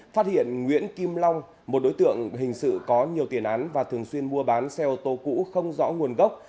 phát hiện nguyễn kim long một đối tượng hình sự có nhiều tiền án và thường xuyên mua bán xe ô tô cũ không rõ nguồn gốc